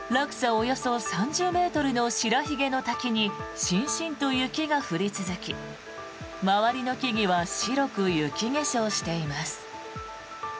およそ３０ｍの白ひげの滝にしんしんと雪が降り続き周りの木々は白く雪化粧しています。